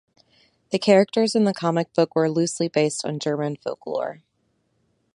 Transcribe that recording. The characters in the comic book were loosely based on German folklore.